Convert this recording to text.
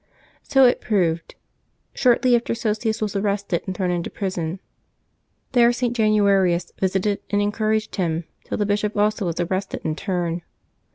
So it proved. Shortly after Sosius was arrested, and thrown into prison. There St. Januarius visited and encouraged him, till the bishop also was arrested in turn.